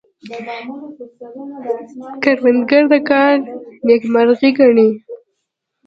کروندګر د کار نیکمرغي ګڼي